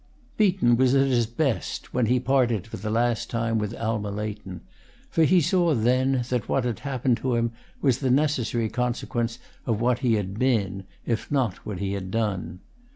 Beaton was at his best when he parted for the last time with Alma Leighton, for he saw then that what had happened to him was the necessary consequence of what he had been, if not what he had done.